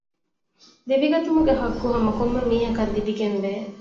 ލިބިގަތުމުގެ ޙައްޤު ހަމަ ކޮންމެ މީހަކަށްމެ ލިބިގެންވޭ